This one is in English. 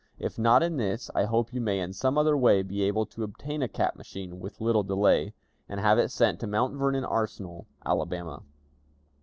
If not in this, I hope you may in some other way be able to obtain a cap machine with little delay, and have it sent to the Mount Vernon Arsenal, Alabama.